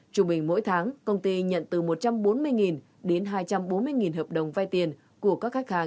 trung bình mỗi tháng công ty nhận từ một trăm bốn mươi đến hai trăm bốn mươi hợp đồng vai tiền của các khách hàng